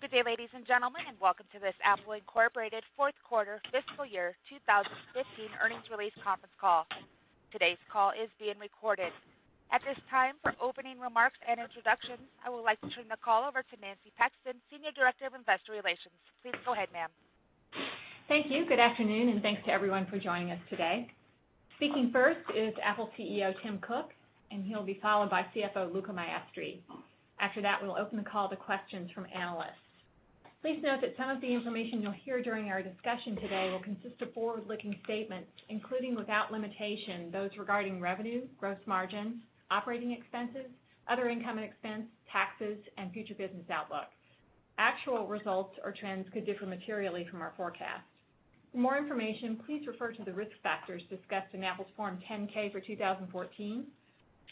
Good day, ladies and gentlemen, welcome to this Apple Inc. fourth quarter fiscal year 2015 earnings release conference call. Today's call is being recorded. At this time, for opening remarks and introductions, I would like to turn the call over to Nancy Paxton, Senior Director of Investor Relations. Please go ahead, ma'am. Thank you. Good afternoon, and thanks to everyone for joining us today. Speaking first is Apple CEO, Tim Cook, and he'll be followed by CFO, Luca Maestri. After that, we'll open the call to questions from analysts. Please note that some of the information you'll hear during our discussion today will consist of forward-looking statements, including without limitation, those regarding revenue, gross margins, operating expenses, other income and expense, taxes, and future business outlook. Actual results or trends could differ materially from our forecast. For more information, please refer to the risk factors discussed in Apple's Form 10-K for 2014,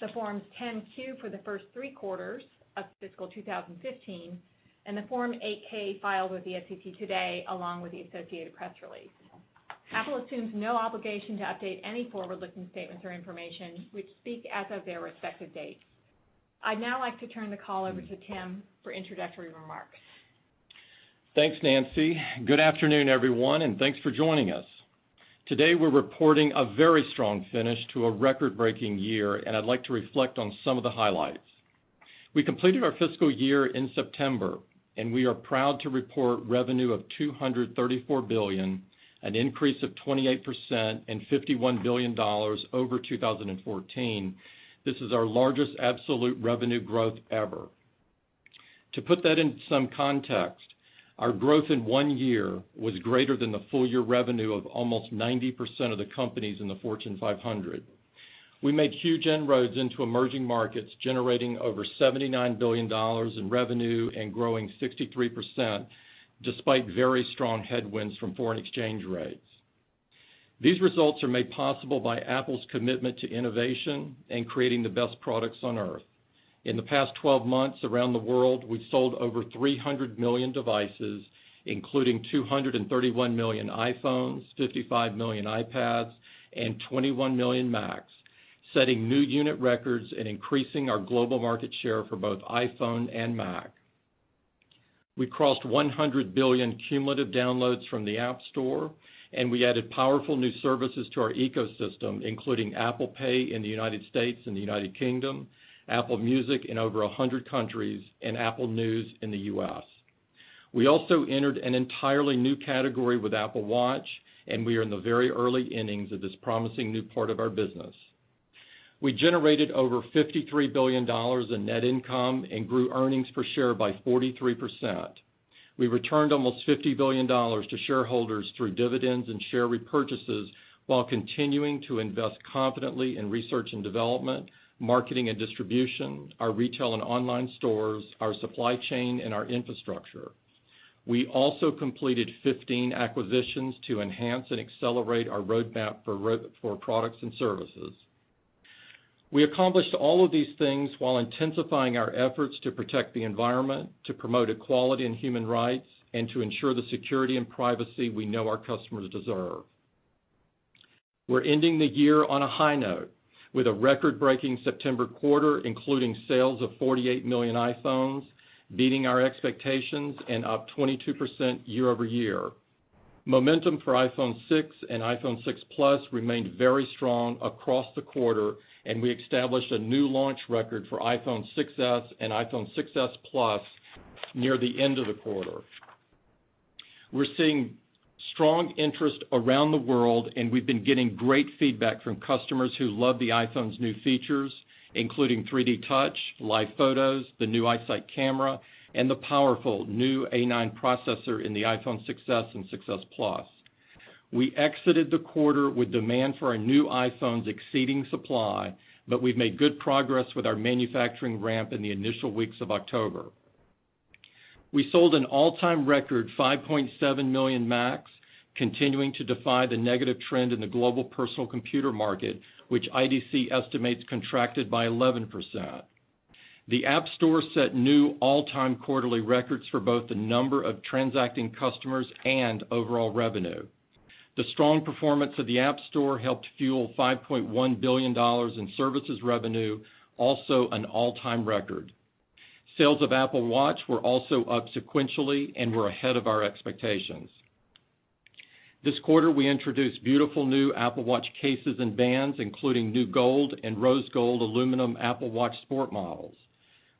the Forms 10-Q for the first three quarters of fiscal 2015, and the Form 8-K filed with the SEC today, along with the associated press release. Apple assumes no obligation to update any forward-looking statements or information, which speak as of their respective dates. I'd now like to turn the call over to Tim for introductory remarks. Thanks, Nancy. Good afternoon, everyone, and thanks for joining us. Today, we're reporting a very strong finish to a record-breaking year, and I'd like to reflect on some of the highlights. We completed our fiscal year in September, and we are proud to report revenue of $234 billion, an increase of 28% and $51 billion over 2014. This is our largest absolute revenue growth ever. To put that into some context, our growth in one year was greater than the full year revenue of almost 90% of the companies in the Fortune 500. We made huge inroads into emerging markets, generating over $79 billion in revenue and growing 63% despite very strong headwinds from foreign exchange rates. These results are made possible by Apple's commitment to innovation and creating the best products on Earth. In the past 12 months around the world, we've sold over 300 million devices, including 231 million iPhones, 55 million iPads, and 21 million Macs, setting new unit records and increasing our global market share for both iPhone and Mac. We crossed 100 billion cumulative downloads from the App Store. We added powerful new services to our ecosystem, including Apple Pay in the United States and the United Kingdom, Apple Music in over 100 countries, and Apple News in the U.S. We also entered an entirely new category with Apple Watch. We are in the very early innings of this promising new part of our business. We generated over $53 billion in net income and grew earnings per share by 43%. We returned almost $50 billion to shareholders through dividends and share repurchases while continuing to invest confidently in research and development, marketing and distribution, our retail and online stores, our supply chain, and our infrastructure. We also completed 15 acquisitions to enhance and accelerate our roadmap for products and services. We accomplished all of these things while intensifying our efforts to protect the environment, to promote equality and human rights, and to ensure the security and privacy we know our customers deserve. We're ending the year on a high note with a record-breaking September quarter, including sales of 48 million iPhones, beating our expectations and up 22% year-over-year. Momentum for iPhone 6 and iPhone 6 Plus remained very strong across the quarter, and we established a new launch record for iPhone 6s and iPhone 6s Plus near the end of the quarter. We're seeing strong interest around the world, and we've been getting great feedback from customers who love the iPhone's new features, including 3D Touch, Live Photos, the new iSight camera, and the powerful new A9 processor in the iPhone 6s and 6s Plus. We exited the quarter with demand for our new iPhones exceeding supply, but we've made good progress with our manufacturing ramp in the initial weeks of October. We sold an all-time record 5.7 million Macs, continuing to defy the negative trend in the global personal computer market, which IDC estimates contracted by 11%. The App Store set new all-time quarterly records for both the number of transacting customers and overall revenue. The strong performance of the App Store helped fuel $5.1 billion in services revenue, also an all-time record. Sales of Apple Watch were also up sequentially and were ahead of our expectations. This quarter, we introduced beautiful new Apple Watch cases and bands, including new gold and rose gold aluminum Apple Watch Sport models.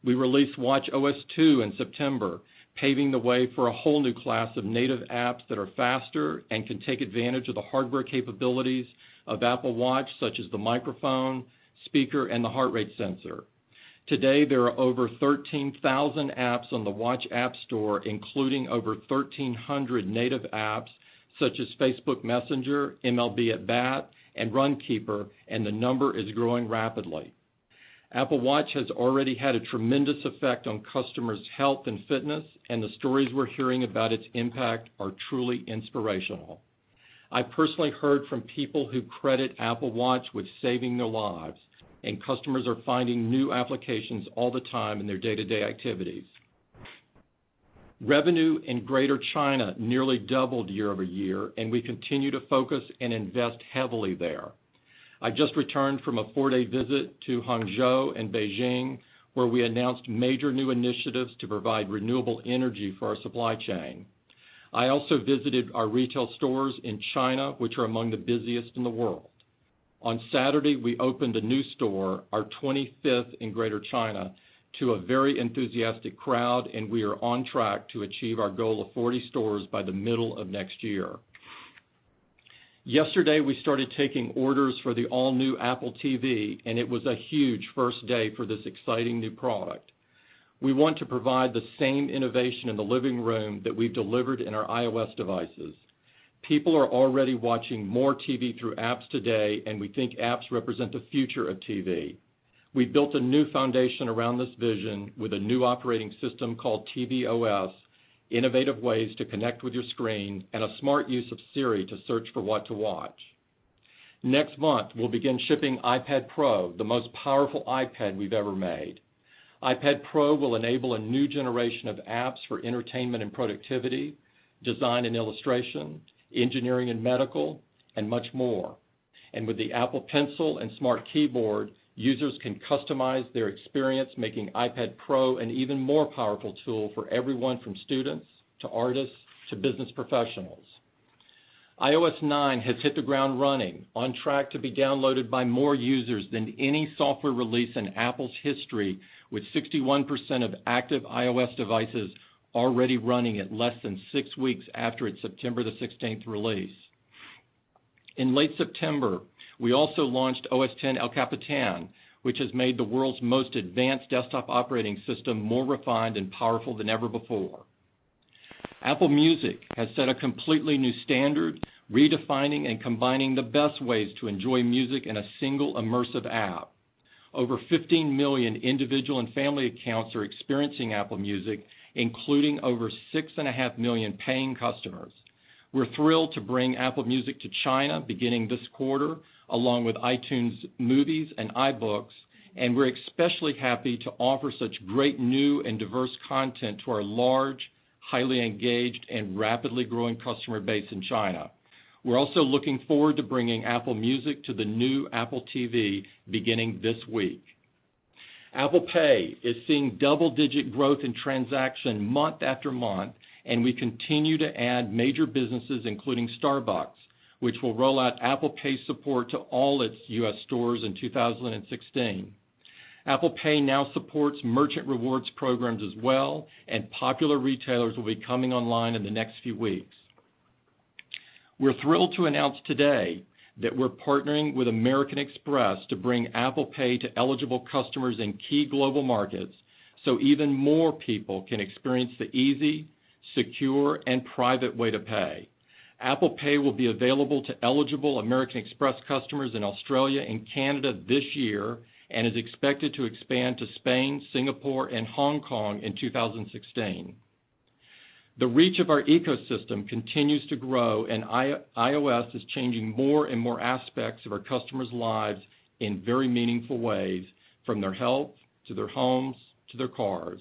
We released watchOS 2 in September, paving the way for a whole new class of native apps that are faster and can take advantage of the hardware capabilities of Apple Watch, such as the microphone, speaker, and the heart rate sensor. Today, there are over 13,000 apps on the Watch App Store, including over 1,300 native apps such as Facebook Messenger, MLB At Bat, and Runkeeper, and the number is growing rapidly. Apple Watch has already had a tremendous effect on customers' health and fitness, and the stories we're hearing about its impact are truly inspirational. I personally heard from people who credit Apple Watch with saving their lives, and customers are finding new applications all the time in their day-to-day activities. Revenue in Greater China nearly doubled year-over-year, and we continue to focus and invest heavily there. I just returned from a four-day visit to Hangzhou and Beijing, where we announced major new initiatives to provide renewable energy for our supply chain. I also visited our retail stores in China, which are among the busiest in the world. On Saturday, we opened a new store, our 25th in Greater China, to a very enthusiastic crowd, and we are on track to achieve our goal of 40 stores by the middle of next year. Yesterday, we started taking orders for the all-new Apple TV, and it was a huge first day for this exciting new product. We want to provide the same innovation in the living room that we've delivered in our iOS devices. People are already watching more TV through apps today. We think apps represent the future of TV. We built a new foundation around this vision with a new operating system called tvOS, innovative ways to connect with your screen, and a smart use of Siri to search for what to watch. Next month, we'll begin shipping iPad Pro, the most powerful iPad we've ever made. iPad Pro will enable a new generation of apps for entertainment and productivity, design and illustration, engineering and medical, and much more. With the Apple Pencil and Smart Keyboard, users can customize their experience, making iPad Pro an even more powerful tool for everyone from students to artists to business professionals. iOS 9 has hit the ground running, on track to be downloaded by more users than any software release in Apple's history, with 61% of active iOS devices already running it less than six weeks after its September 16th release. In late September, we also launched OS X El Capitan, which has made the world's most advanced desktop operating system more refined and powerful than ever before. Apple Music has set a completely new standard, redefining and combining the best ways to enjoy music in a single immersive app. Over 15 million individual and family accounts are experiencing Apple Music, including over 6.5 million paying customers. We're thrilled to bring Apple Music to China beginning this quarter, along with iTunes Movies and iBooks. We're especially happy to offer such great new and diverse content to our large, highly engaged, and rapidly growing customer base in China. We're also looking forward to bringing Apple Music to the new Apple TV beginning this week. Apple Pay is seeing double-digit growth in transaction month after month. We continue to add major businesses, including Starbucks, which will roll out Apple Pay support to all its U.S. stores in 2016. Apple Pay now supports merchant rewards programs as well. Popular retailers will be coming online in the next few weeks. We're thrilled to announce today that we're partnering with American Express to bring Apple Pay to eligible customers in key global markets. Even more people can experience the easy, secure, and private way to pay. Apple Pay will be available to eligible American Express customers in Australia and Canada this year and is expected to expand to Spain, Singapore, and Hong Kong in 2016. The reach of our ecosystem continues to grow, iOS is changing more and more aspects of our customers' lives in very meaningful ways, from their health to their homes to their cars.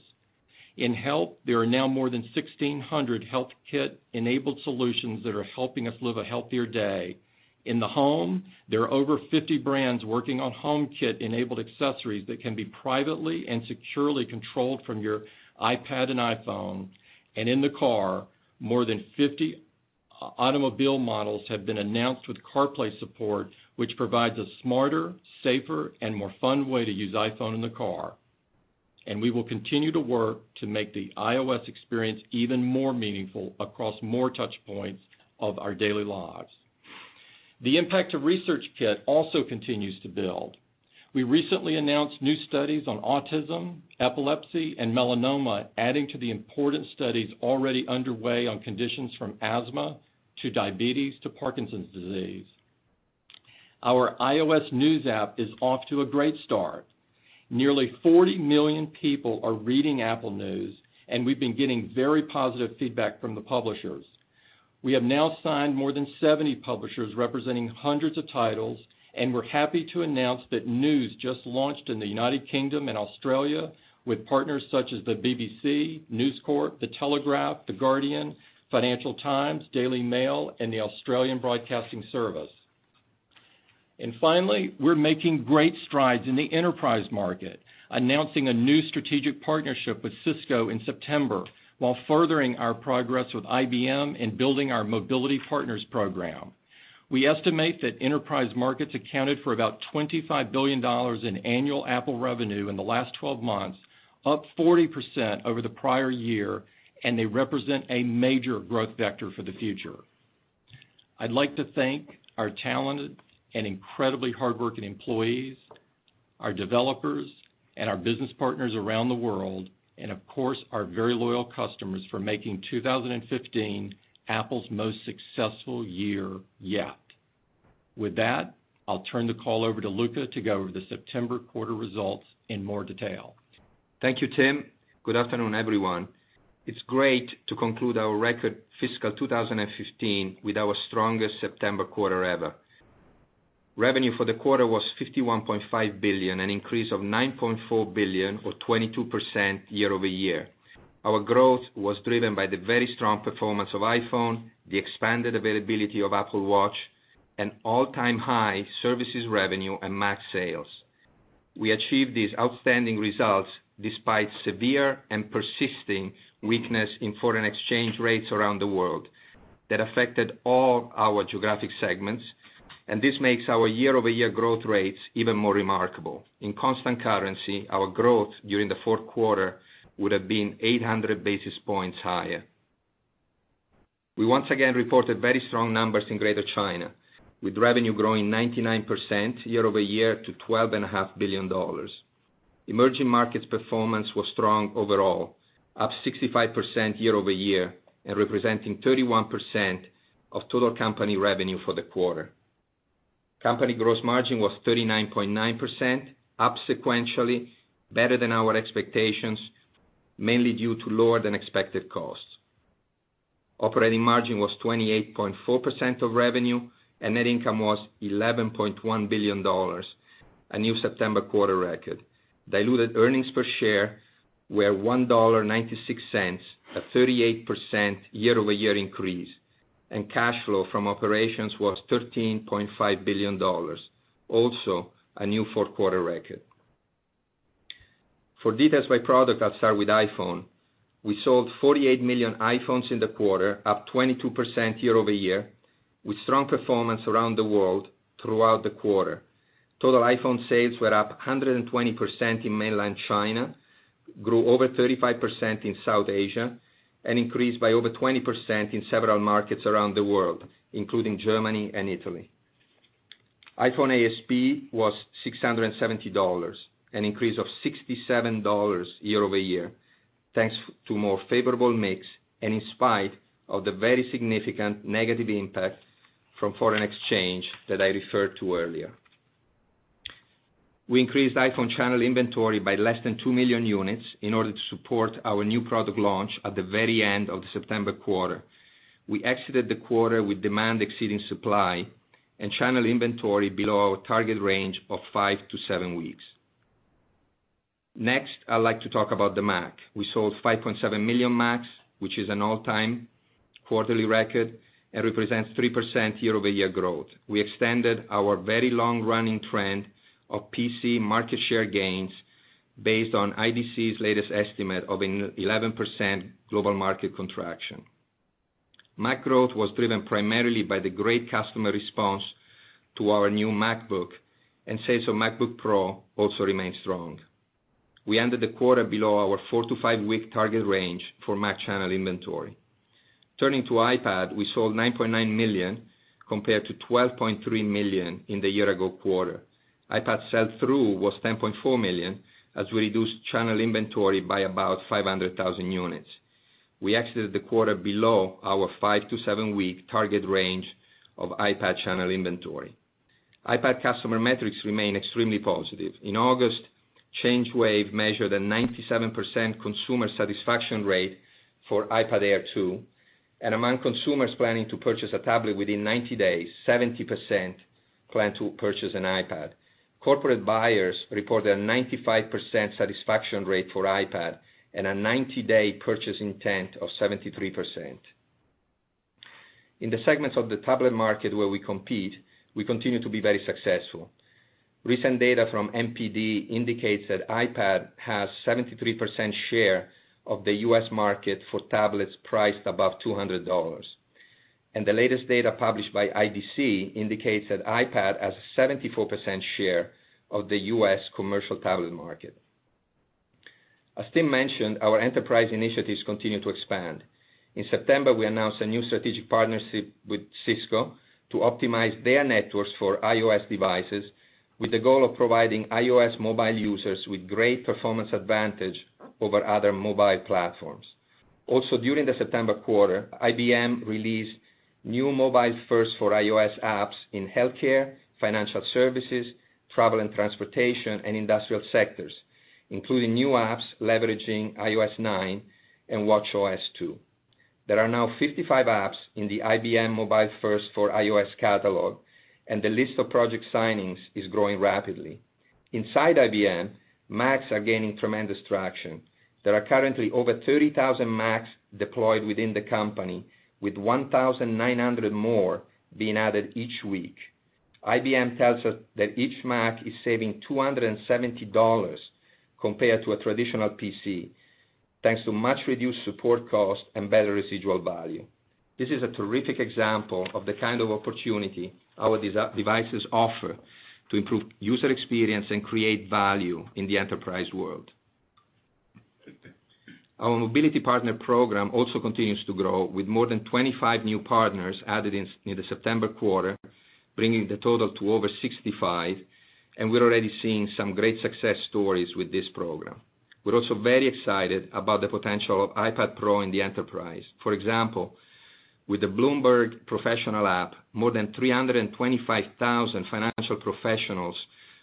In health, there are now more than 1,600 HealthKit-enabled solutions that are helping us live a healthier day. In the home, there are over 50 brands working on HomeKit-enabled accessories that can be privately and securely controlled from your iPad and iPhone. In the car, more than 50 automobile models have been announced with CarPlay support, which provides a smarter, safer, and more fun way to use iPhone in the car. We will continue to work to make the iOS experience even more meaningful across more touchpoints of our daily lives. The impact of ResearchKit also continues to build. We recently announced new studies on autism, epilepsy, and melanoma, adding to the important studies already underway on conditions from asthma to diabetes to Parkinson's disease. Our iOS News app is off to a great start. Nearly 40 million people are reading Apple News, and we've been getting very positive feedback from the publishers. We have now signed more than 70 publishers representing hundreds of titles, and we're happy to announce that News just launched in the United Kingdom and Australia with partners such as the BBC, News Corp, The Telegraph, The Guardian, Financial Times, Daily Mail, and the Australian Broadcasting Corporation. Finally, we're making great strides in the enterprise market, announcing a new strategic partnership with Cisco in September while furthering our progress with IBM and building our Mobility Partners Program. We estimate that enterprise markets accounted for about $25 billion in annual Apple revenue in the last 12 months, up 40% over the prior year, and they represent a major growth vector for the future. I'd like to thank our talented and incredibly hardworking employees, our developers, and our business partners around the world, and of course, our very loyal customers for making 2015 Apple's most successful year yet. With that, I'll turn the call over to Luca to go over the September quarter results in more detail. Thank you, Tim. Good afternoon, everyone. It's great to conclude our record fiscal 2015 with our strongest September quarter ever. Revenue for the quarter was $51.5 billion, an increase of $9.4 billion or 22% year-over-year. Our growth was driven by the very strong performance of iPhone, the expanded availability of Apple Watch, an all-time high services revenue and Mac sales. We achieved these outstanding results despite severe and persisting weakness in foreign exchange rates around the world that affected all our geographic segments. This makes our year-over-year growth rates even more remarkable. In constant currency, our growth during the fourth quarter would have been 800 basis points higher. We once again reported very strong numbers in Greater China, with revenue growing 99% year-over-year to $12.5 billion. Emerging markets performance was strong overall, up 65% year-over-year and representing 31% of total company revenue for the quarter. Company gross margin was 39.9%, up sequentially, better than our expectations, mainly due to lower than expected costs. Operating margin was 28.4% of revenue, and net income was $11.1 billion, a new September quarter record. Diluted earnings per share were $1.96, a 38% year-over-year increase, and cash flow from operations was $13.5 billion, also a new fourth quarter record. For details by product, I'll start with iPhone. We sold 48 million iPhones in the quarter, up 22% year-over-year, with strong performance around the world throughout the quarter. Total iPhone sales were up 120% in mainland China, grew over 35% in South Asia, and increased by over 20% in several markets around the world, including Germany and Italy. iPhone ASP was $670, an increase of $67 year-over-year, thanks to more favorable mix, and in spite of the very significant negative impact from foreign exchange that I referred to earlier. We increased iPhone channel inventory by less than 2 million units in order to support our new product launch at the very end of the September quarter. We exited the quarter with demand exceeding supply and channel inventory below our target range of five to seven weeks. Next, I'd like to talk about the Mac. We sold 5.7 million Macs, which is an all-time quarterly record and represents 3% year-over-year growth. We extended our very long-running trend of PC market share gains based on IDC's latest estimate of an 11% global market contraction. Mac growth was driven primarily by the great customer response to our new MacBook. Sales of MacBook Pro also remain strong. We ended the quarter below our four-to-five-week target range for Mac channel inventory. Turning to iPad, we sold $9.9 million compared to $12.3 million in the year-ago quarter. iPad sell-through was $10.4 million, as we reduced channel inventory by about 500,000 units. We exited the quarter below our five-to-seven-week target range of iPad channel inventory. iPad customer metrics remain extremely positive. In August, ChangeWave measured a 97% consumer satisfaction rate for iPad Air 2, and among consumers planning to purchase a tablet within 90 days, 70% plan to purchase an iPad. Corporate buyers reported a 95% satisfaction rate for iPad and a 90-day purchase intent of 73%. In the segments of the tablet market where we compete, we continue to be very successful. Recent data from NPD indicates that iPad has 73% share of the U.S. market for tablets priced above $200. The latest data published by IDC indicates that iPad has a 74% share of the U.S. commercial tablet market. As Tim mentioned, our enterprise initiatives continue to expand. In September, we announced a new strategic partnership with Cisco to optimize their networks for iOS devices with the goal of providing iOS mobile users with great performance advantage over other mobile platforms. Also, during the September quarter, IBM released new MobileFirst for iOS apps in healthcare, financial services, travel and transportation, and industrial sectors, including new apps leveraging iOS 9 and watchOS 2. There are now 55 apps in the IBM MobileFirst for iOS catalog, and the list of project signings is growing rapidly. Inside IBM, Macs are gaining tremendous traction. There are currently over 30,000 Macs deployed within the company, with 1,900 more being added each week. IBM tells us that each Mac is saving $270 compared to a traditional PC, thanks to much reduced support cost and better residual value. This is a terrific example of the kind of opportunity our devices offer to improve user experience and create value in the enterprise world. Our Mobility Partner Program also continues to grow with more than 25 new partners added in the September quarter, bringing the total to over 65, and we're already seeing some great success stories with this program. We're also very excited about the potential of iPad Pro in the enterprise. For example, with the Bloomberg Professional App, more than 325,000 financial professionals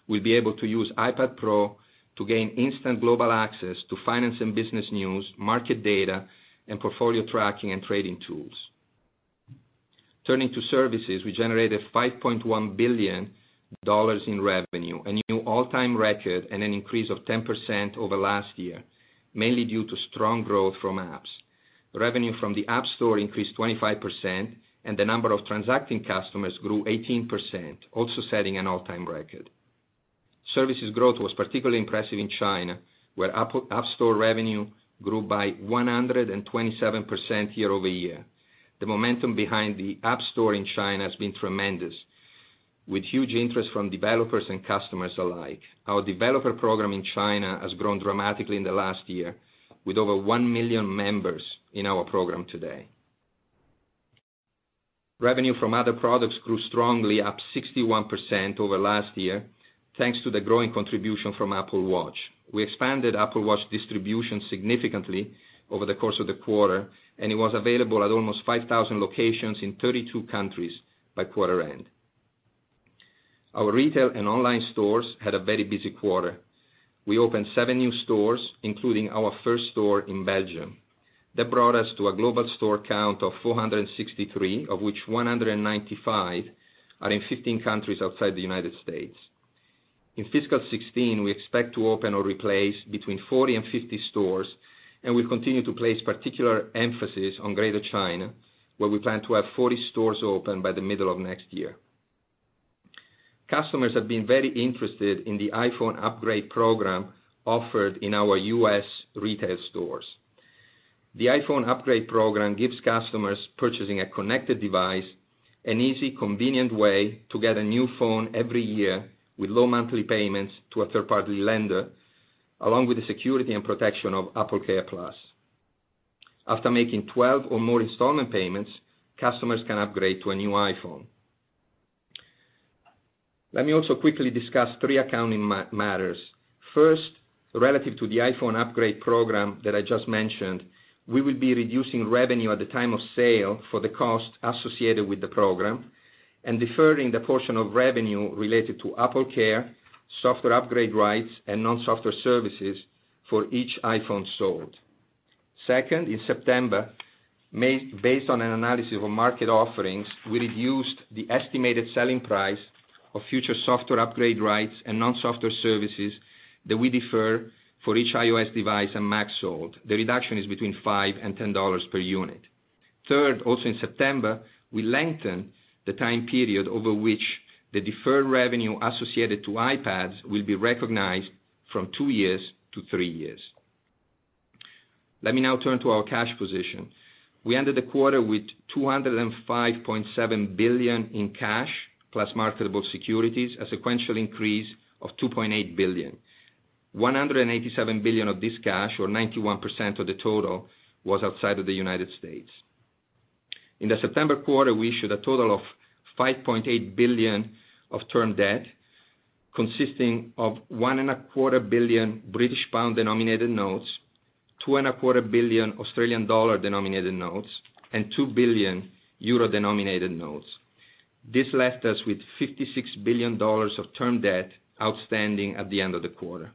will be able to use iPad Pro to gain instant global access to finance and business news, market data, and portfolio tracking and trading tools. Turning to services, we generated $5.1 billion in revenue, a new all-time record and an increase of 10% over last year, mainly due to strong growth from apps. Revenue from the App Store increased 25% and the number of transacting customers grew 18%, also setting an all-time record. Services growth was particularly impressive in China, where Apple App Store revenue grew by 127% year-over-year. The momentum behind the App Store in China has been tremendous, with huge interest from developers and customers alike. Our developer program in China has grown dramatically in the last year with over 1 million members in our program today. Revenue from other products grew strongly, up 61% over last year, thanks to the growing contribution from Apple Watch. We expanded Apple Watch distribution significantly over the course of the quarter, and it was available at almost 5,000 locations in 32 countries by quarter end. Our retail and online stores had a very busy quarter. We opened seven new stores, including our first store in Belgium. That brought us to a global store count of 463, of which 195 are in 15 countries outside the United States. In fiscal 2016, we expect to open or replace between 40 and 50 stores, and we'll continue to place particular emphasis on Greater China, where we plan to have 40 stores open by the middle of next year. Customers have been very interested in the iPhone Upgrade Program offered in our U.S. retail stores. The iPhone Upgrade Program gives customers purchasing a connected device an easy, convenient way to get a new phone every year with low monthly payments to a third-party lender, along with the security and protection of AppleCare+. After making 12 or more installment payments, customers can upgrade to a new iPhone. Let me also quickly discuss three accounting matters. First, relative to the iPhone Upgrade Program that I just mentioned, we will be reducing revenue at the time of sale for the cost associated with the program and deferring the portion of revenue related to AppleCare, software upgrade rights, and non-software services for each iPhone sold. Second, in September, based on an analysis of market offerings, we reduced the estimated selling price of future software upgrade rights and non-software services that we defer for each iOS device and Mac sold. The reduction is between $5-$10 per unit. Third, also in September, we lengthened the time period over which the deferred revenue associated to iPads will be recognized from two years to three years. Let me now turn to our cash position. We ended the quarter with $205.7 billion in cash plus marketable securities, a sequential increase of $2.8 billion. $187 billion of this cash or 91% of the total was outside of the United States. In the September quarter, we issued a total of $5.8 billion of term debt consisting of 1.25 billion British pound, 2.25 billion Australian dollar, and 2 billion euro. This left us with $56 billion of term debt outstanding at the end of the quarter.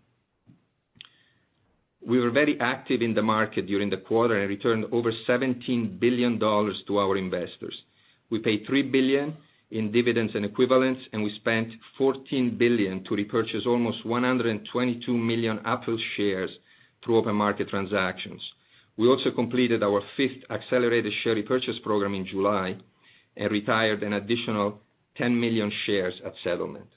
We were very active in the market during the quarter and returned over $17 billion to our investors. We paid $3 billion in dividends and equivalents. We spent $14 billion to repurchase almost 122 million Apple shares through open market transactions. We also completed our fifth accelerated share repurchase program in July and retired an additional 10 million shares at settlement.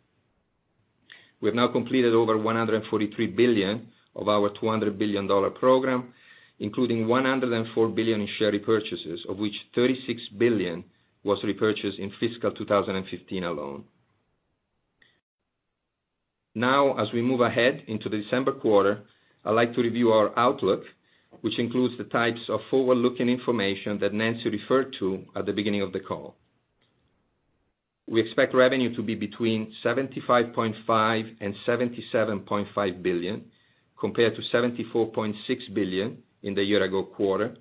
We have now completed over $143 billion of our $200 billion program, including $104 billion in share repurchases, of which $36 billion was repurchased in fiscal 2015 alone. As we move ahead into the December quarter, I'd like to review our outlook, which includes the types of forward-looking information that Nancy referred to at the beginning of the call. We expect revenue to be between $75.5 billion and $77.5 billion, compared to $74.6 billion in the year ago quarter.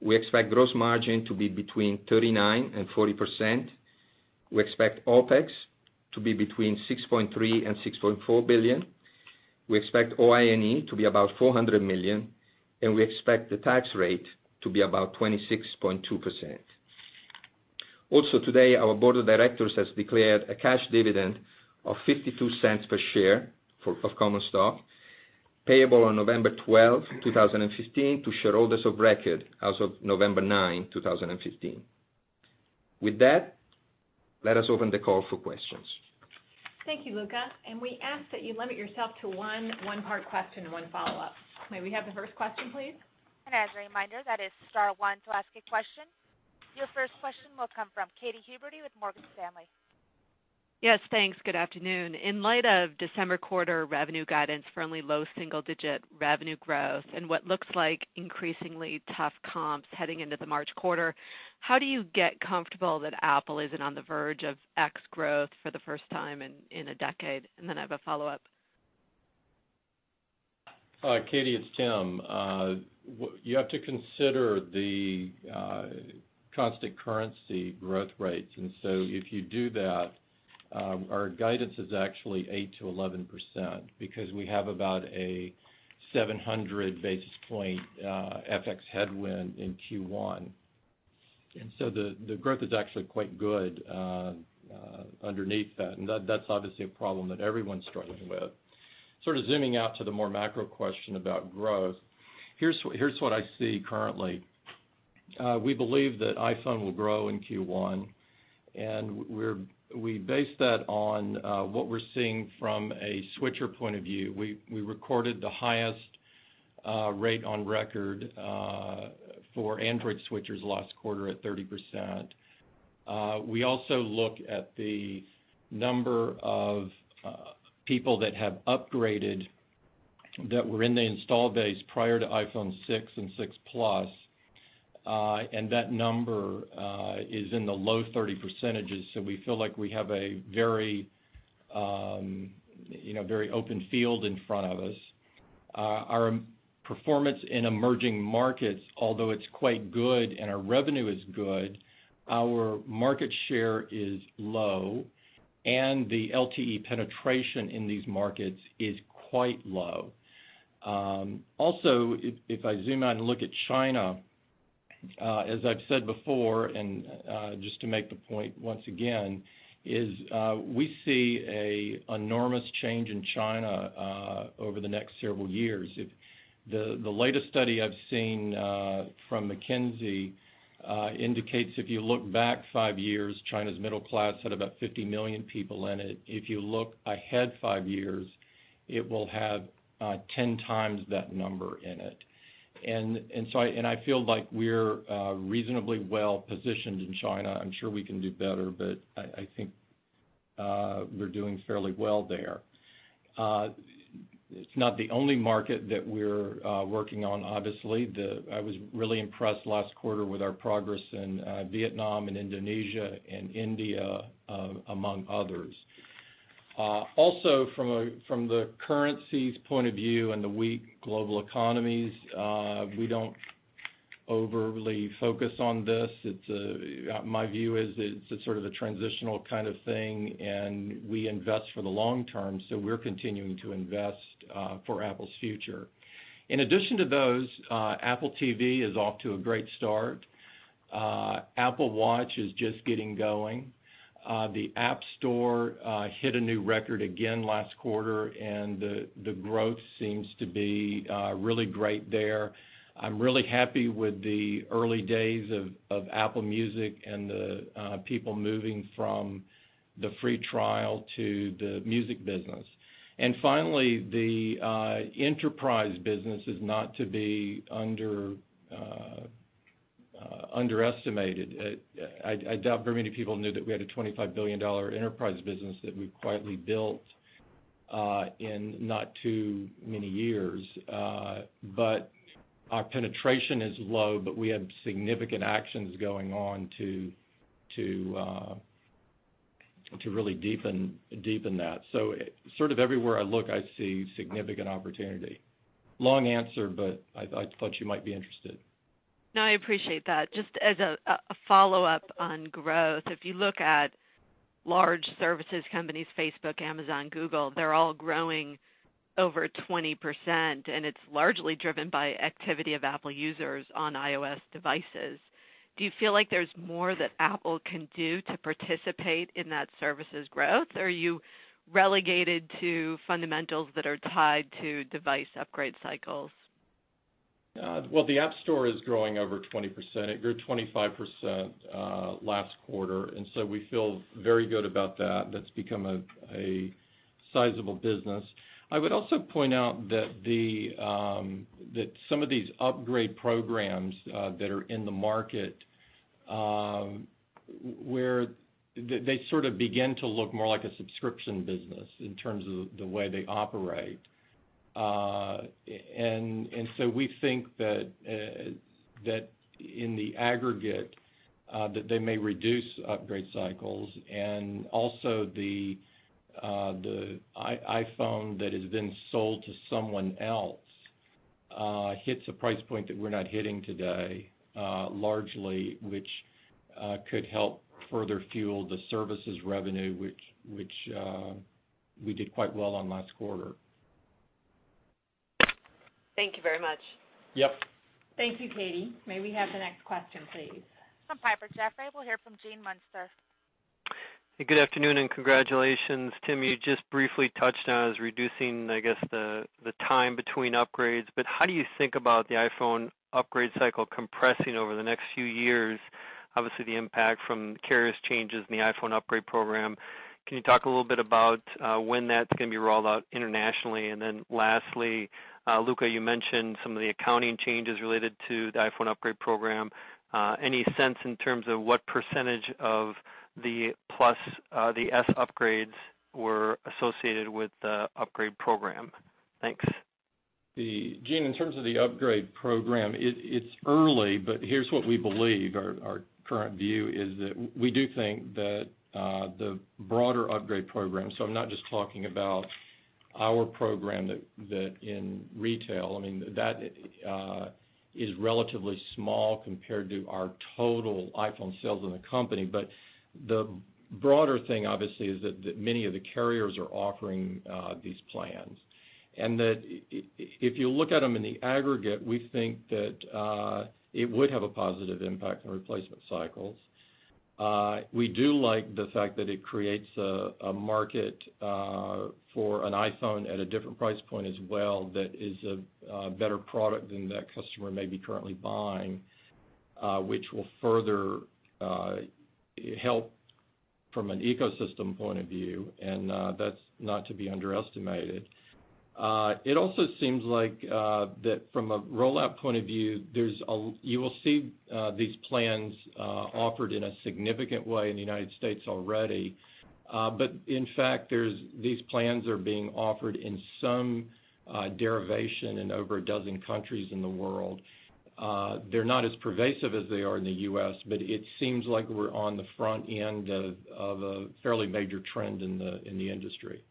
We expect gross margin to be between 39% and 40%. We expect OpEx to be between $6.3 billion and $6.4 billion. We expect OI&E to be about $400 million, and we expect the tax rate to be about 26.2%. Today, our board of directors has declared a cash dividend of $0.52 per share of common stock payable on November 12, 2015 to shareholders of record as of November 9, 2015. With that, let us open the call for questions. Thank you, Luca. We ask that you limit yourself to one one-part question and one follow-up. May we have the first question, please? As a reminder, that is star one to ask a question. Your first question will come from Katy Huberty with Morgan Stanley. Yes, thanks. Good afternoon. In light of December quarter revenue guidance for only low single-digit revenue growth and what looks like increasingly tough comps heading into the March quarter, how do you get comfortable that Apple isn't on the verge of ex-growth for the first time in a decade? I have a follow-up. Katy, it's Tim. You have to consider the constant currency growth rates. If you do that. Our guidance is actually 8%-11% because we have about a 700 basis point FX headwind in Q1. The growth is actually quite good underneath that, and that's obviously a problem that everyone's struggling with. Sort of zooming out to the more macro question about growth, here's what I see currently. We believe that iPhone will grow in Q1, and we base that on what we're seeing from a switcher point of view. We recorded the highest rate on record for Android switchers last quarter at 30%. We also look at the number of people that have upgraded that were in the install base prior to iPhone 6 and 6 Plus, and that number is in the low 30%, so we feel like we have a very, you know, very open field in front of us. Our performance in emerging markets, although it's quite good and our revenue is good, our market share is low, and the LTE penetration in these markets is quite low. If I zoom out and look at China, as I've said before, and just to make the point once again, is, we see an enormous change in China over the next several years. If the latest study I've seen from McKinsey indicates if you look back five years, China's middle class had about 50 million people in it. If you look ahead five years, it will have 10x that number in it. I feel like we're reasonably well-positioned in China. I'm sure we can do better, but I think we're doing fairly well there. It's not the only market that we're working on, obviously. I was really impressed last quarter with our progress in Vietnam and Indonesia and India, among others. Also from the currencies point of view and the weak global economies, we don't overly focus on this. It's my view is it's a sort of a transitional kind of thing, and we invest for the long term, so we're continuing to invest for Apple's future. In addition to those, Apple TV is off to a great start. Apple Watch is just getting going. The App Store hit a new record again last quarter, and the growth seems to be really great there. I'm really happy with the early days of Apple Music and the people moving from the free trial to the music business. Finally, the enterprise business is not to be underestimated. I doubt very many people knew that we had a $25 billion enterprise business that we've quietly built in not too many years. Our penetration is low, but we have significant actions going on to really deepen that. Sort of everywhere I look, I see significant opportunity. Long answer, but I thought you might be interested. No, I appreciate that. Just as a follow-up on growth, if you look at large services companies, Facebook, Amazon, Google, they're all growing over 20%, and it's largely driven by activity of Apple users on iOS devices. Do you feel like there's more that Apple can do to participate in that services growth, or are you relegated to fundamentals that are tied to device upgrade cycles? Well, the App Store is growing over 20%. It grew 25% last quarter, and so we feel very good about that. That's become a sizable business. I would also point out that some of these upgrade programs that are in the market where they sort of begin to look more like a subscription business in terms of the way they operate. We think that in the aggregate that they may reduce upgrade cycles and also the iPhone that has been sold to someone else hits a price point that we're not hitting today largely which could help further fuel the services revenue which we did quite well on last quarter. Thank you very much. Yep. Thank you, Katy. May we have the next question, please? From Piper Jaffray, we'll hear from Gene Munster. Good afternoon and congratulations. Tim, you just briefly touched on is reducing, I guess, the time between upgrades, how do you think about the iPhone upgrade cycle compressing over the next few years, obviously the impact from carriers changes in the iPhone Upgrade Program? Can you talk a little bit about when that's gonna be rolled out internationally? Lastly, Luca, you mentioned some of the accounting changes related to the iPhone Upgrade Program. Any sense in terms of what percentage of the Plus, the S upgrades were associated with the Upgrade Program? Thanks. Gene, in terms of the Upgrade Program, it's early, but here's what we believe. Our current view is that we do think that the broader Upgrade Program, so I'm not just talking about our program that in retail, I mean, that is relatively small compared to our total iPhone sales in the company. The broader thing, obviously, is that many of the carriers are offering these plans. If you look at them in the aggregate, we think that it would have a positive impact on replacement cycles. We do like the fact that it creates a market for an iPhone at a different price point as well that is a better product than that customer may be currently buying, which will further help from an ecosystem point of view, and that's not to be underestimated. It also seems like that from a rollout point of view, you will see these plans offered in a significant way in the United States already. But in fact, these plans are being offered in some derivation in over 12 countries in the world. They're not as pervasive as they are in the U.S., but it seems like we're on the front end of a fairly major trend in the industry.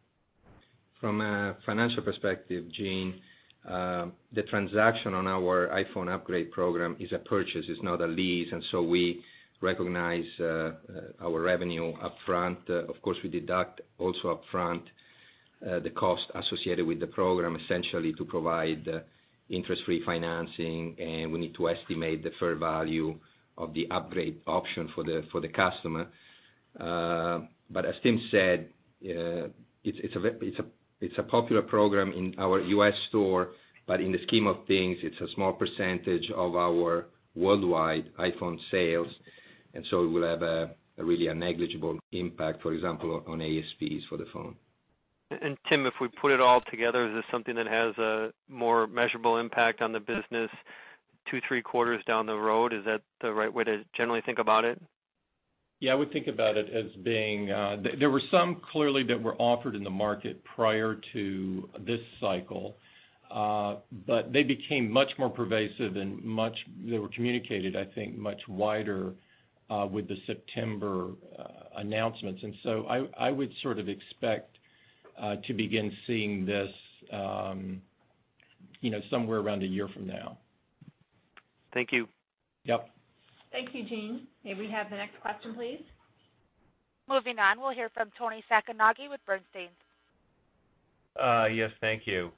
From a financial perspective, Gene, the transaction on our iPhone Upgrade Program is a purchase, it's not a lease. We recognize our revenue upfront. Of course, we deduct also upfront, the cost associated with the program, essentially to provide interest-free financing, and we need to estimate the fair value of the upgrade option for the customer. As Tim said, it's a popular program in our U.S. store, but in the scheme of things, it's a small percentage of our worldwide iPhone sales. It will have a really a negligible impact, for example, on ASPs for the phone. Tim, if we put it all together, is this something that has a more measurable impact on the business two, three quarters down the road? Is that the right way to generally think about it? Yeah, I would think about it as being. There were some clearly that were offered in the market prior to this cycle, but they became much more pervasive and they were communicated, I think, much wider, with the September announcements. I would sort of expect to begin seeing this, you know, somewhere around a year from now. Thank you. Yep. Thank you, Gene. May we have the next question, please? Moving on, we'll hear from Toni Sacconaghi with Bernstein. Yes, thank you.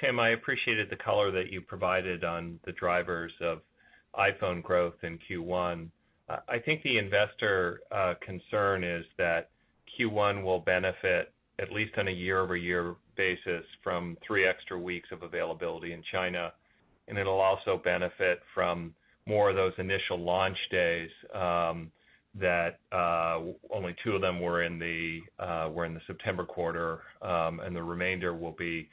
Tim, I appreciated the color that you provided on the drivers of iPhone growth in Q1. I think the investor concern is that Q1 will benefit at least on a year-over-year basis from three extra weeks of availability in China, and it'll also benefit from more of those initial launch days that only two of them were in the September quarter, and the remainder will be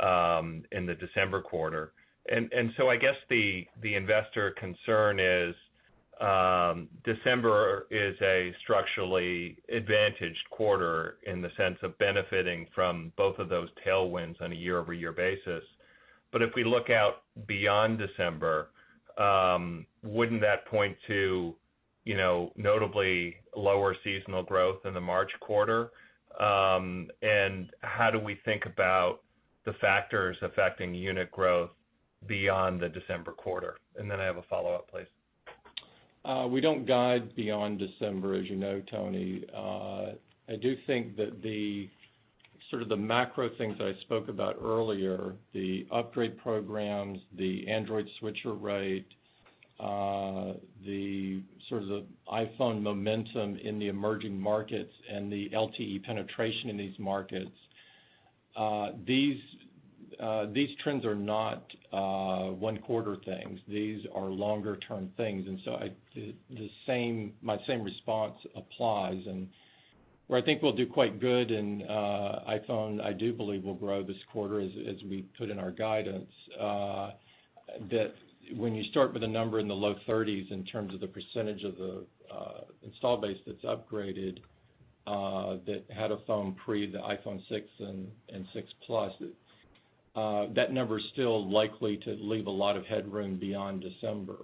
in the December quarter. I guess the investor concern is, December is a structurally advantaged quarter in the sense of benefiting from both of those tailwinds on a year-over-year basis. If we look out beyond December, you know, wouldn't that point to notably lower seasonal growth in the March quarter? How do we think about the factors affecting unit growth beyond the December quarter? I have a follow-up, please. We don't guide beyond December, as you know, Toni. I do think that the sort of the macro things I spoke about earlier, the upgrade programs, the Android switcher rate, the sort of the iPhone momentum in the emerging markets and the LTE penetration in these markets, these trends are not one-quarter things. These are longer-term things. My same response applies. Where I think we'll do quite good in iPhone, I do believe will grow this quarter as we put in our guidance. That when you start with a number in the low 30s in terms of the percentage of the install base that's upgraded, that had a phone pre the iPhone 6 and 6 Plus, that number is still likely to leave a lot of headroom beyond December.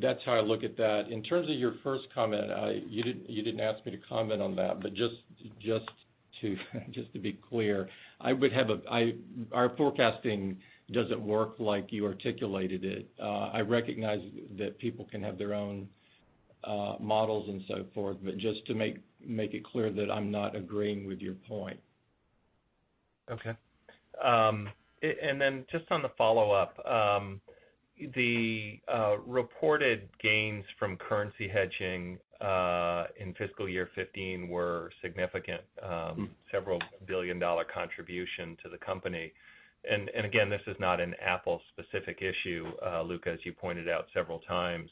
That's how I look at that. In terms of your first comment, you didn't ask me to comment on that, but just to be clear, I would have our forecasting doesn't work like you articulated it. I recognize that people can have their own models and so forth, but just to make it clear that I'm not agreeing with your point. Okay. Then just on the follow-up, the reported gains from currency hedging in fiscal year 2015 were significant, several billion dollar contribution to the company. Again, this is not an Apple-specific issue, Luca, as you pointed out several times.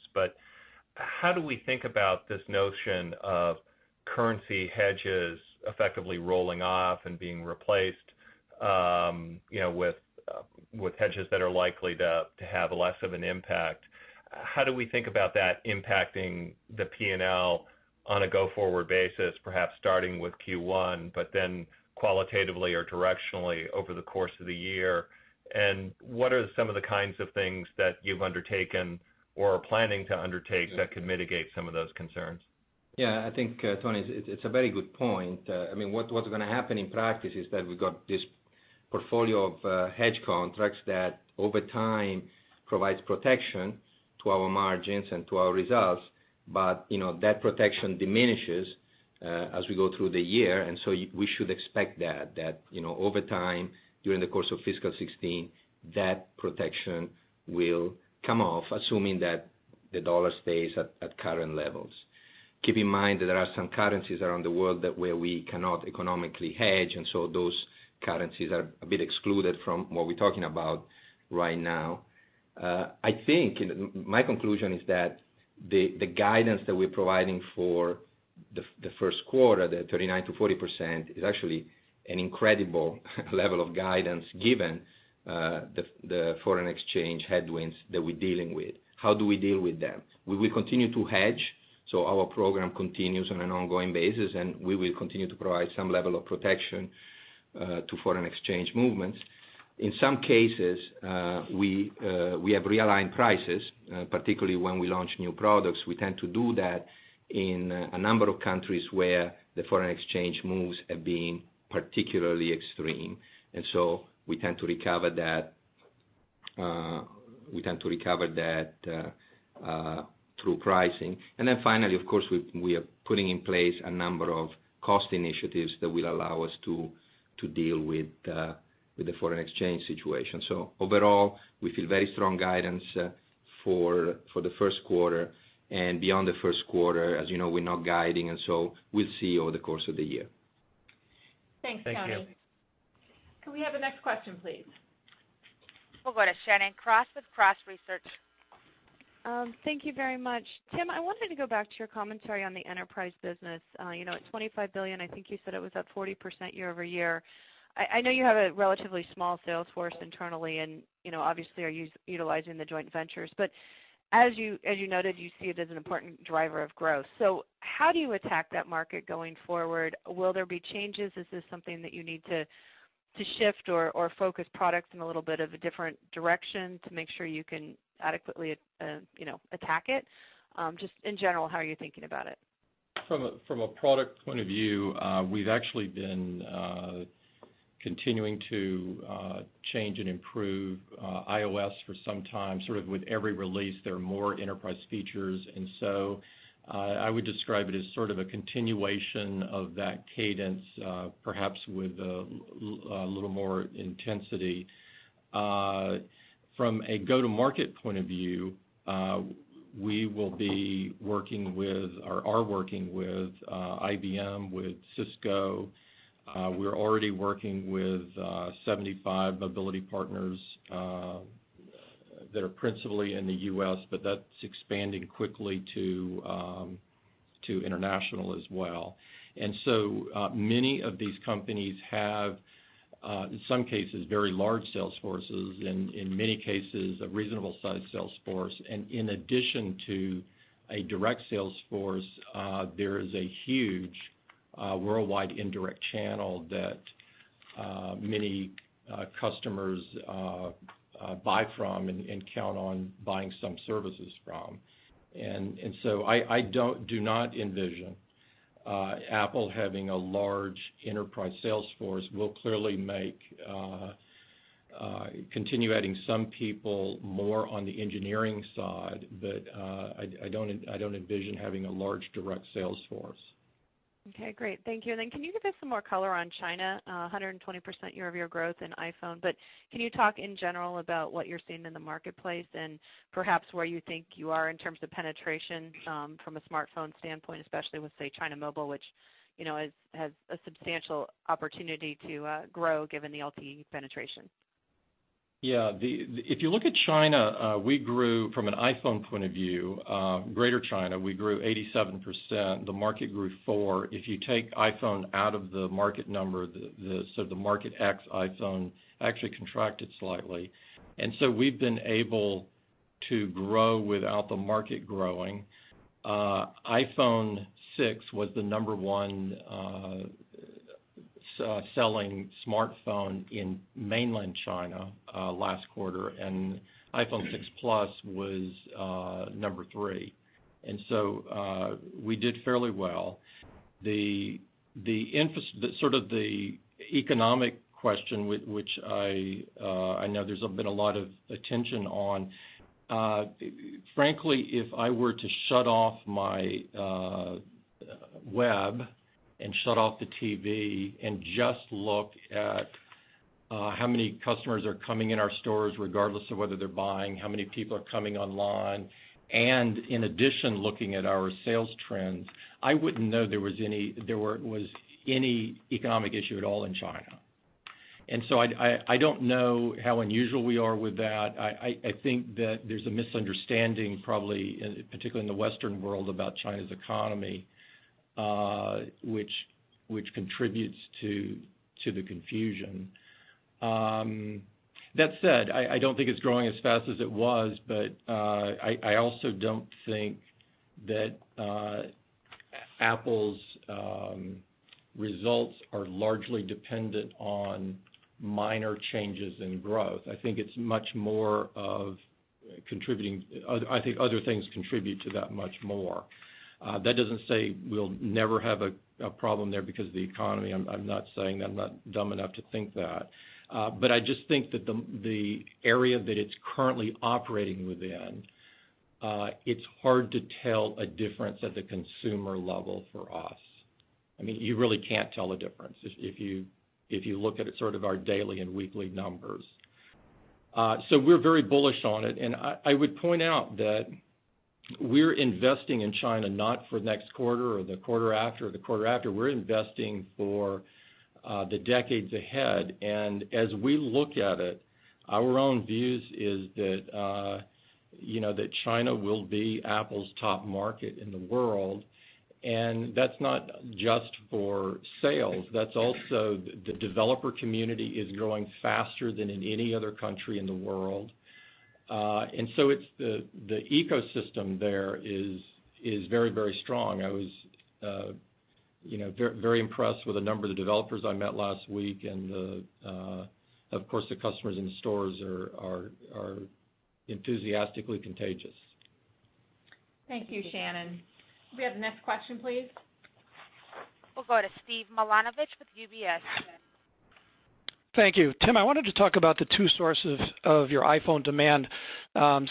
How do we think about this notion of currency hedges effectively rolling off and being replaced, you know, with hedges that are likely to have less of an impact? How do we think about that impacting the P&L on a go-forward basis, perhaps starting with Q1, but then qualitatively or directionally over the course of the year? What are some of the kinds of things that you've undertaken or are planning to undertake that could mitigate some of those concerns? Yeah, I think, Toni, it's a very good point. I mean, what's gonna happen in practice is that we got portfolio of hedge contracts that over time provides protection to our margins and to our results. You know, that protection diminishes as we go through the year, we should expect that, you know, over time, during the course of fiscal 2016, that protection will come off, assuming that the dollar stays at current levels. Keep in mind that there are some currencies around the world that where we cannot economically hedge, those currencies are a bit excluded from what we're talking about right now. I think and my conclusion is that the guidance that we're providing for the first quarter, the 39%-40%, is actually an incredible level of guidance, given the foreign exchange headwinds that we're dealing with. How do we deal with them? We will continue to hedge. Our program continues on an ongoing basis, and we will continue to provide some level of protection to foreign exchange movements. In some cases, we have realigned prices, particularly when we launch new products. We tend to do that in a number of countries where the foreign exchange moves have been particularly extreme. We tend to recover that through pricing. Finally, of course, we are putting in place a number of cost initiatives that will allow us to deal with the foreign exchange situation. Overall, we feel very strong guidance for the first quarter. Beyond the first quarter, as you know, we're not guiding and so we'll see over the course of the year. Thanks, Toni. Thank you. Can we have the next question, please? We'll go to Shannon Cross with Cross Research. Thank you very much, Tim. I wanted to go back to your commentary on the enterprise business. You know, at $25 billion, I think you said it was up 40% year-over-year. I know you have a relatively small sales force internally and, you know, obviously are utilizing the joint ventures. As you, as you noted, you see it as an important driver of growth. How do you attack that market going forward? Will there be changes? Is this something that you need to shift or focus products in a little bit of a different direction to make sure you can adequately attack it? Just in general, how are you thinking about it? From a product point of view, we've actually been continuing to change and improve iOS for some time. Sort of with every release, there are more enterprise features. I would describe it as sort of a continuation of that cadence, perhaps with a little more intensity. From a go-to-market point of view, we will be working with or are working with IBM, with Cisco. We're already working with 75 mobility partners that are principally in the U.S., but that's expanding quickly to international as well. Many of these companies have, in some cases, very large sales forces and in many cases, a reasonable-sized sales force. In addition to a direct sales force, there is a huge worldwide indirect channel that many customers buy from and count on buying some services from. I do not envision Apple having a large enterprise sales force. We'll clearly make, continue adding some people more on the engineering side, but I do not envision having a large direct sales force. Okay, great. Thank you. Can you give us some more color on China? 120% year-over-year growth in iPhone, can you talk in general about what you're seeing in the marketplace and perhaps where you think you are in terms of penetration, from a smartphone standpoint, especially with, say, China Mobile, which, you know, has a substantial opportunity to grow given the LTE penetration? Yeah. If you look at China, we grew from an iPhone point of view, greater China, we grew 87%. The market grew 4%. If you take iPhone out of the market number, the market ex iPhone actually contracted slightly. We've been able to grow without the market growing. iPhone 6 was the number one selling smartphone in mainland China last quarter, and iPhone 6 Plus was number three. We did fairly well. The sort of the economic question which I know there's been a lot of attention on, frankly, if I were to shut off my web and shut off the TV and just look at how many customers are coming in our stores, regardless of whether they're buying, how many people are coming online, and in addition, looking at our sales trends, I wouldn't know there was any economic issue at all in China. I don't know how unusual we are with that. I think that there's a misunderstanding probably in, particularly in the Western world about China's economy, which contributes to the confusion. That said, I don't think it's growing as fast as it was, but I also don't think that Apple's results are largely dependent on minor changes in growth. Other, I think other things contribute to that much more. That doesn't say we'll never have a problem there because of the economy. I'm not saying I'm not dumb enough to think that. I just think that the area that it's currently operating within, it's hard to tell a difference at the consumer level for us. I mean, you really can't tell a difference if you look at it sort of our daily and weekly numbers. We're very bullish on it, and I would point out that we're investing in China not for next quarter or the quarter after or the quarter after. We're investing for the decades ahead. As we look at it, our own views is that, you know, that China will be Apple's top market in the world, and that's not just for sales. That's also the developer community is growing faster than in any other country in the world. It's the ecosystem there is very, very strong. I was, you know, very, very impressed with the number of the developers I met last week and, of course, the customers in the stores are enthusiastically contagious. Thank you, Shannon. Can we have the next question, please? We'll go to Steve Milunovich with UBS. Thank you. Tim, I wanted to talk about the two sources of your iPhone demand,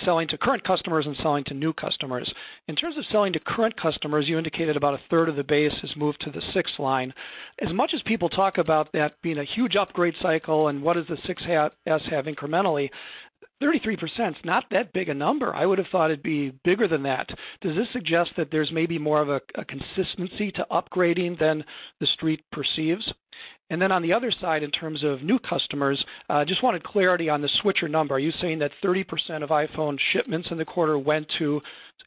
selling to current customers and selling to new customers. In terms of selling to current customers, you indicated about a third of the base has moved to the 6 line. As much as people talk about that being a huge upgrade cycle and what does the 6s have incrementally, 33% is not that big a number. I would have thought it would be bigger than that. Does this suggest that there is maybe more of a consistency to upgrading than the Street perceives? On the other side, in terms of new customers, just wanted clarity on the switcher number. Are you saying that 30% of iPhone shipments in the quarter went to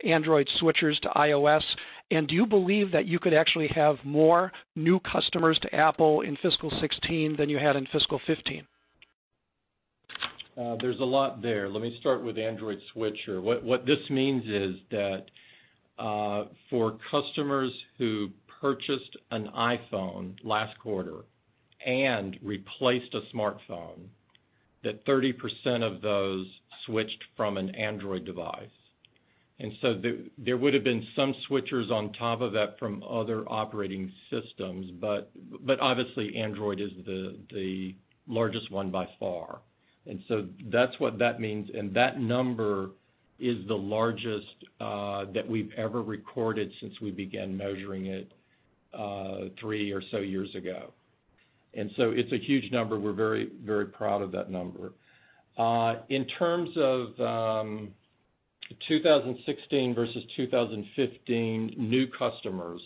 Android switchers to iOS? Do you believe that you could actually have more new customers to Apple in fiscal 2016 than you had in fiscal 2015? There's a lot there. Let me start with Android switcher. What this means is that for customers who purchased an iPhone last quarter and replaced a smartphone, that 30% of those switched from an Android device. There would have been some switchers on top of that from other operating systems, but obviously Android is the largest one by far. That's what that means, and that number is the largest that we've ever recorded since we began measuring it three or so years ago. It's a huge number. We're very proud of that number. In terms of 2016 versus 2015 new customers,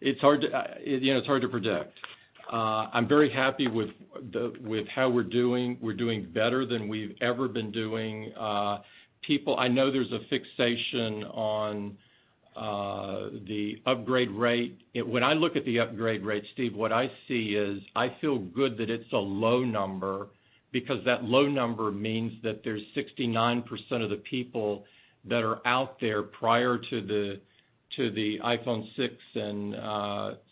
it's hard to predict. I'm very happy with how we're doing. We're doing better than we've ever been doing. People, I know there's a fixation on the upgrade rate. When I look at the upgrade rate, Steve, what I see is I feel good that it's a low number because that low number means that there's 69% of the people that are out there prior to the iPhone 6 and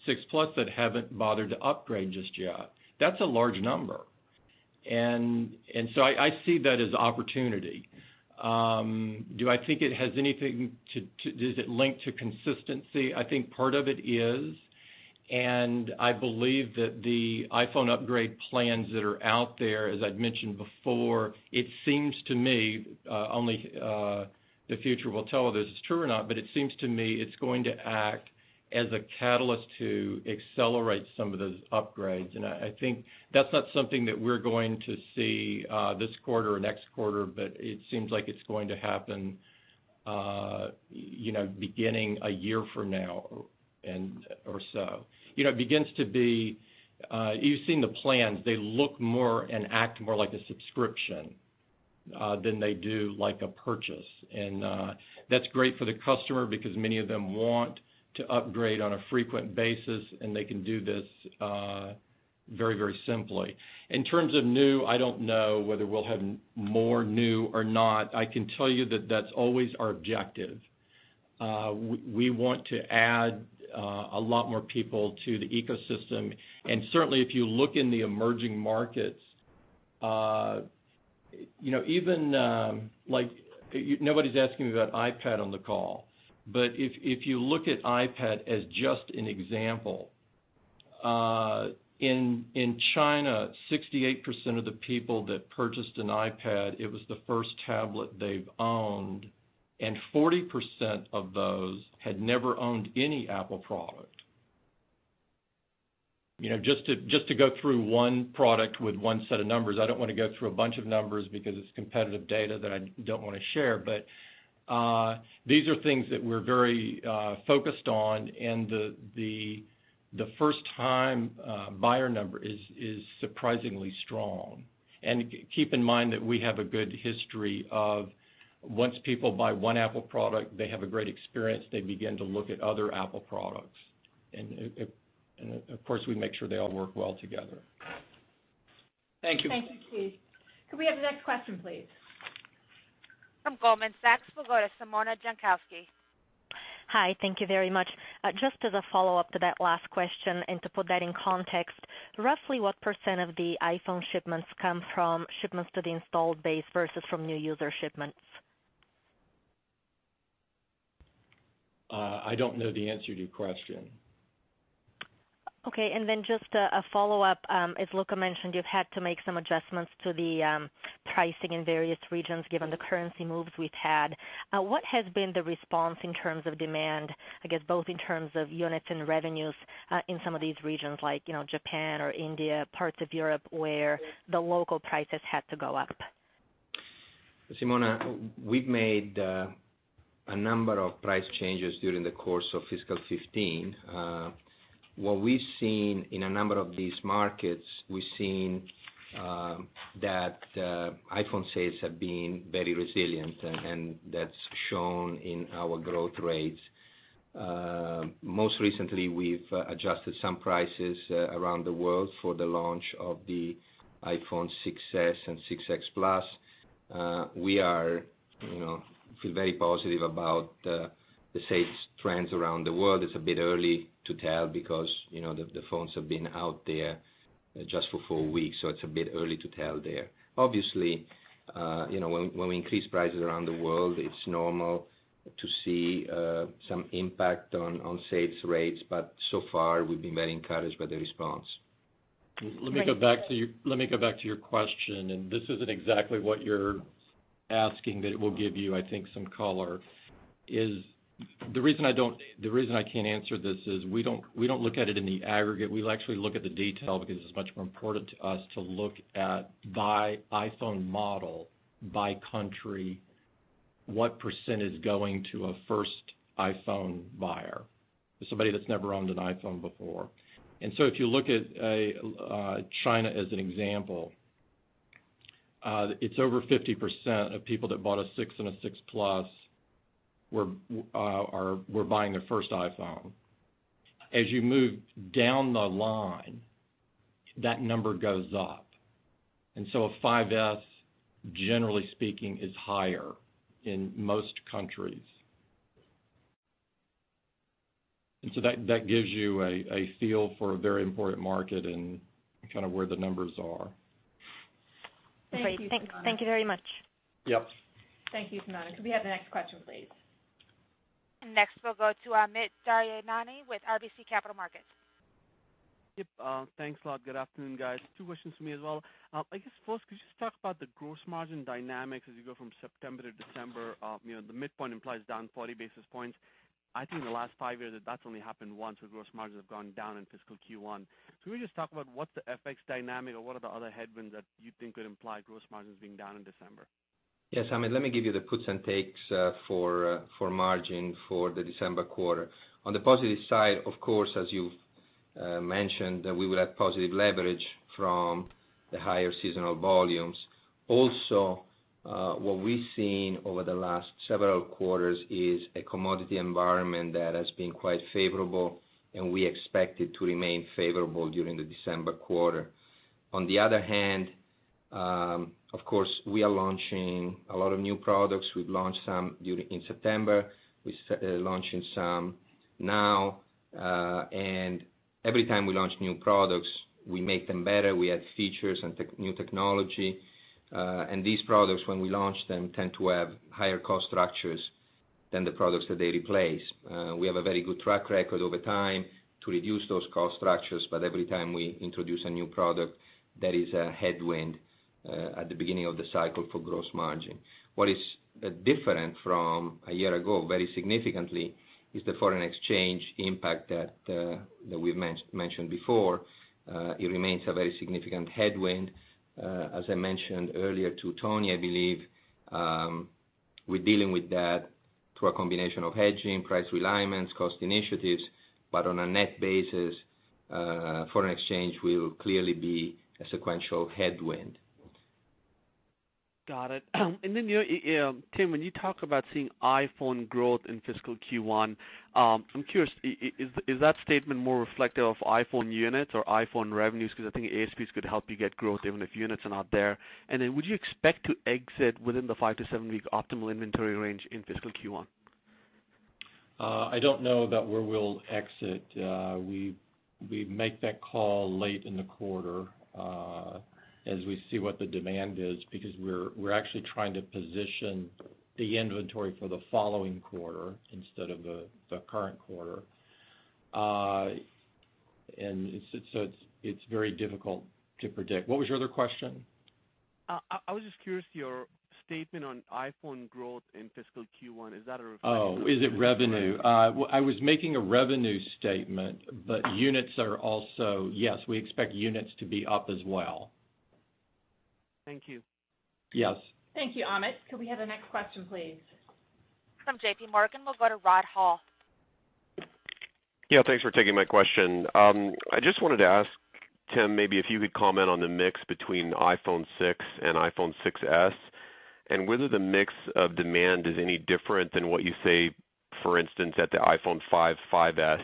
6 Plus that haven't bothered to upgrade just yet. That's a large number. So I see that as opportunity. Does it link to consistency? I think part of it is, I believe that the iPhone upgrade plans that are out there, as I'd mentioned before, it seems to me, only the future will tell whether this is true or not, but it seems to me it's going to act as a catalyst to accelerate some of those upgrades. I think that's not something that we're going to see this quarter or next quarter, but it seems like it's going to happen, you know, beginning a year from now and, or so. You know, it begins to be, you've seen the plans. They look more and act more like a subscription than they do like a purchase. That's great for the customer because many of them want to upgrade on a frequent basis, and they can do this very, very simply. In terms of new, I don't know whether we'll have more new or not. I can tell you that that's always our objective. We want to add a lot more people to the ecosystem. Certainly, if you look in the emerging markets, you know, even, nobody's asking about iPad on the call, but if you look at iPad as just an example, in China, 68% of the people that purchased an iPad, it was the first tablet they've owned, and 40% of those had never owned any Apple product. You know, just to go through one product with one set of numbers. I don't wanna go through a bunch of numbers because it's competitive data that I don't wanna share. These are things that we're very focused on, and the first-time buyer number is surprisingly strong. Keep in mind that we have a good history of once people buy one Apple product, they have a great experience, they begin to look at other Apple products. Of course, we make sure they all work well together. Thank you. Thank you, Steve. Could we have the next question, please? From Goldman Sachs, we'll go to Simona Jankowski. Hi, thank you very much. Just as a follow-up to that last question and to put that in context, roughly what percent of the iPhone shipments come from shipments to the installed base versus from new user shipments? I don't know the answer to your question. Okay, just a follow-up. As Luca mentioned, you've had to make some adjustments to the pricing in various regions given the currency moves we've had. What has been the response in terms of demand, I guess both in terms of units and revenues, in some of these regions like, you know, Japan or India, parts of Europe, where the local prices had to go up? Simona, we've made a number of price changes during the course of fiscal 2015. What we've seen in a number of these markets, we've seen that iPhone sales have been very resilient and that's shown in our growth rates. Most recently, we've adjusted some prices around the world for the launch of the iPhone 6s and 6s Plus. We are, you know, feel very positive about the sales trends around the world. It's a bit early to tell because, you know, the phones have been out there just for four weeks, so it's a bit early to tell there. Obviously, you know, when we increase prices around the world, it's normal to see some impact on sales rates, but so far, we've been very encouraged by the response. Let me go back to your, let me go back to your question, and this isn't exactly what you're asking, but it will give you, I think, some color. The reason I can't answer this is we don't look at it in the aggregate. We actually look at the detail because it's much more important to us to look at by iPhone model, by country, what percent is going to a first iPhone buyer, somebody that's never owned an iPhone before. If you look at China as an example, it's over 50% of people that bought a 6 and a 6 Plus were buying their first iPhone. As you move down the line, that number goes up. A 5s, generally speaking, is higher in most countries. That gives you a feel for a very important market and kind of where the numbers are. Great. Thank you very much. Yep. Thank you, Simona. Could we have the next question, please? Next, we'll go to Amit Daryanani with RBC Capital Markets. Yep, thanks a lot. Good afternoon, guys. Two questions from me as well. I guess first, could you just talk about the gross margin dynamics as you go from September to December? You know, the midpoint implies down 40 basis points. I think in the last five years that that's only happened once where gross margins have gone down in fiscal Q1. Can we just talk about what's the FX dynamic or what are the other headwinds that you think could imply gross margins being down in December? Yes, Amit, let me give you the puts and takes for margin for the December quarter. On the positive side, of course, as you've mentioned, we will have positive leverage from the higher seasonal volumes. Also, what we've seen over the last several quarters is a commodity environment that has been quite favorable, and we expect it to remain favorable during the December quarter. On the other hand, of course, we are launching a lot of new products. We've launched some in September. We are launching some now. Every time we launch new products, we make them better. We add features and new technology. These products, when we launch them, tend to have higher cost structures than the products that they replace. We have a very good track record over time to reduce those cost structures. Every time we introduce a new product, that is a headwind at the beginning of the cycle for gross margin. What is different from a year ago, very significantly, is the foreign exchange impact that we've mentioned before. It remains a very significant headwind. As I mentioned earlier to Toni, I believe, we're dealing with that through a combination of hedging, price realignments, cost initiatives. On a net basis, foreign exchange will clearly be a sequential headwind. Got it. You know, Tim, when you talk about seeing iPhone growth in fiscal Q1, I'm curious, is that statement more reflective of iPhone units or iPhone revenues? Because I think ASPs could help you get growth even if units are not there. Would you expect to exit within the five-to-seven-week optimal inventory range in fiscal Q1? I don't know about where we'll exit. We make that call late in the quarter, as we see what the demand is because we're actually trying to position the inventory for the following quarter instead of the current quarter. It's very difficult to predict. What was your other question? I was just curious, your statement on iPhone growth in fiscal Q1, is that a reflection of? Is it revenue? I was making a revenue statement, but units are also, yes, we expect units to be up as well. Thank you. Yes. Thank you, Amit. Could we have the next question, please? From JPMorgan, we'll go to Rod Hall. Yeah, thanks for taking my question. I just wanted to ask, Tim, maybe if you could comment on the mix between iPhone 6 and iPhone 6s and whether the mix of demand is any different than what you say, for instance, at the iPhone 5, 5s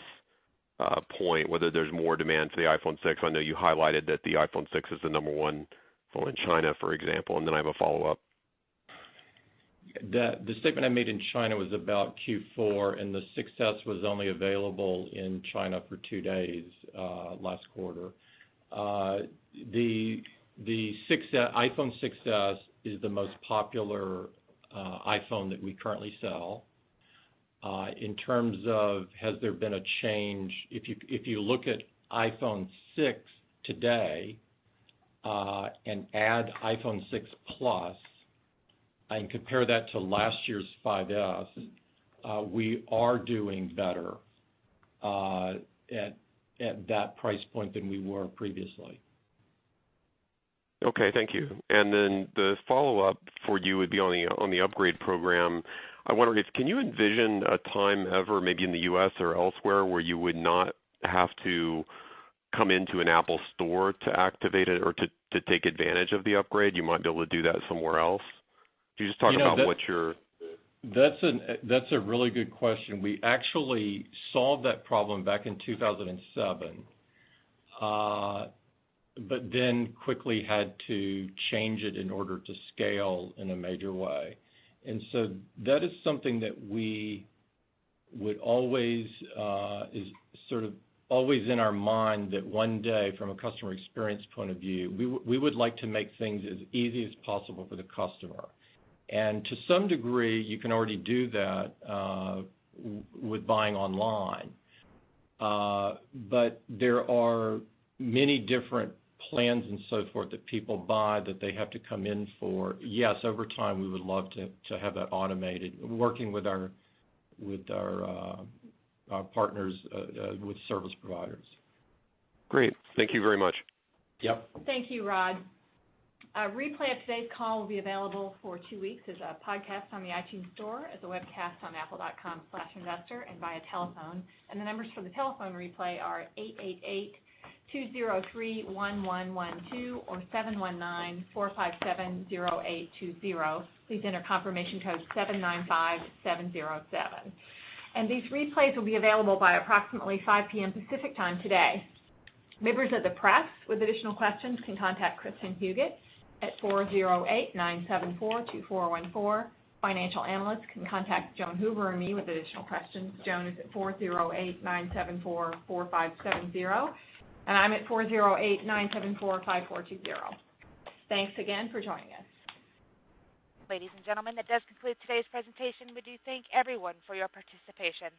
point, whether there's more demand for the iPhone 6. I know you highlighted that the iPhone 6 is the number one phone in China, for example, and then I have a follow-up. The statement I made in China was about Q4, and the 6s was only available in China for two days last quarter. The iPhone 6s is the most popular iPhone that we currently sell. In terms of has there been a change, if you look at iPhone 6 today, and add iPhone 6 Plus and compare that to last year's 5s, we are doing better at that price point than we were previously. Okay. Thank you. The follow-up for you would be on the Upgrade Program. Can you envision a time ever, maybe in the U.S. or elsewhere, where you would not have to come into an Apple Store to activate it or to take advantage of the upgrade? You might be able to do that somewhere else. Could you just talk about what you're- That's a really good question. We actually solved that problem back in 2007. Quickly had to change it in order to scale in a major way. That is something that we would always, is sort of always in our mind that one day from a customer experience point of view, we would like to make things as easy as possible for the customer. To some degree, you can already do that with buying online. There are many different plans and so forth that people buy that they have to come in for. Yes, over time, we would love to have that automated working with our partners with service providers. Great. Thank you very much. Yep. Thank you, Rod. A replay of today's call will be available for two weeks as a podcast on the iTunes Store, as a webcast on apple.com/investor and via telephone. The numbers for the telephone replay are 888-203-1112 or 719-457-0820. Please enter confirmation code 795707. These replays will be available by approximately 5:00 P.M. Pacific Time today. Members of the press with additional questions can contact Kristin Huguet at 408-974-2414. Financial analysts can contact Joan Hoover or me with additional questions. Joan is at 408-974-4570, and I'm at 408-974-5420. Thanks again for joining us. Ladies and gentlemen, that does conclude today's presentation. We do thank everyone for your participation.